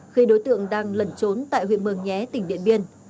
khi đối tượng đang lẩn trốn tại huyện mường nhé tỉnh điện biên